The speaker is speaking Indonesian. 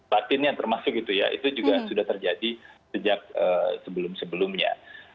batin yang termasuk itu ya itu juga sudah terjadi sejak sebelum sebelumnya